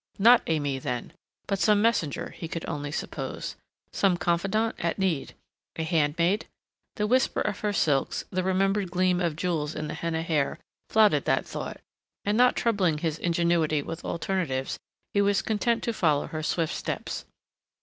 Not Aimée, then. But some messenger, he could only suppose. Some confidante, at need. A handmaid? The whisper of her silks, the remembered gleam of jewels in the henna hair flouted that thought, and not troubling his ingenuity with alternatives he was content to follow her swift steps.